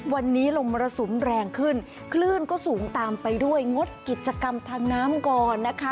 วันนี้ลมมรสุมแรงขึ้นคลื่นก็สูงตามไปด้วยงดกิจกรรมทางน้ำก่อนนะคะ